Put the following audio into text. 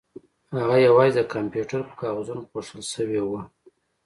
هغه یوازې د کمپیوټر په کاغذونو پوښل شوې وه